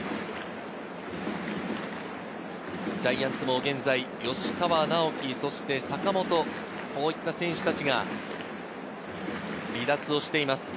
ジャイアンツも現在、吉川尚輝、坂本、こういった選手たちが離脱しています。